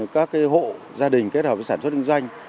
các hộ gia đình kết hợp sản xuất kinh doanh